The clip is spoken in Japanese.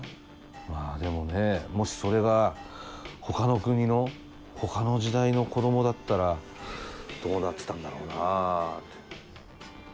まあでもねもしそれがほかの国のほかの時代の子供だったらどうなってたんだろうなって。